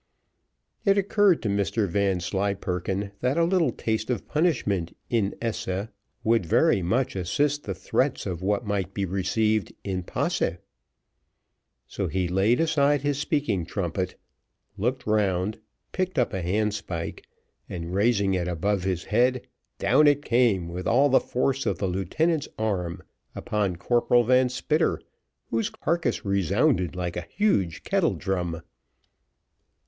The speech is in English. It occurred to Mr Vanslyperken that a little taste of punishment in esse would very much assist the threats of what might be received in posse; so he laid aside his speaking trumpet, looked round, picked up a handspike, and raising it above his head, down it came, with all the force of the lieutenant's arm, upon Corporal Van Spitter, whose carcass resounded like a huge kettle drum.